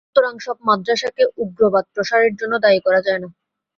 সুতরাং, সব মাদ্রাসাকে উগ্রবাদ প্রসারের জন্য দায়ী করা যায় না।